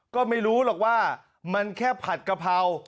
ก็ไม่รู้หรอกว่ามันแค่ผัดกะเพรา